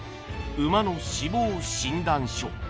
馬の死亡診断書